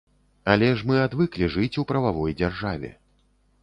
Але ж мы адвыклі жыць у прававой дзяржаве.